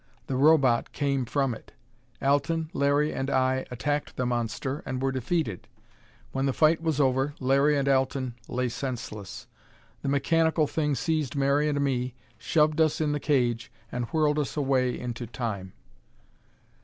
The Robot came from it. Alten, Larry and I attacked the monster, and were defeated. When the fight was over, Larry and Alten lay senseless. The mechanical thing seized Mary and me, shoved us in the cage and whirled us away into Time.